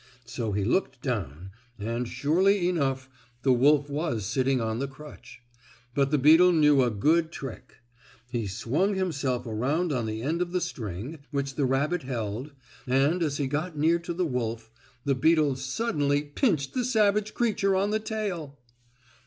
So he looked down, and, surely enough, the wolf was sitting on the crutch. But the beetle knew a good trick. He swung himself around on the end of the string, which the rabbit held, and, as he got near to the wolf, the beetle suddenly pinched the savage creature on the tail.